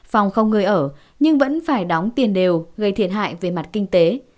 phòng không nơi ở nhưng vẫn phải đóng tiền đều gây thiệt hại về mặt kinh tế